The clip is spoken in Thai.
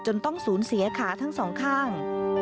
ต้องสูญเสียขาทั้งสองข้าง